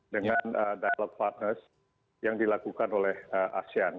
dengan dialog partners yang dilakukan oleh asean